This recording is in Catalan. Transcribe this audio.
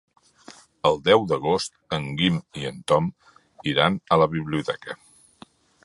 El deu d'agost en Guim i en Tom iran a la biblioteca.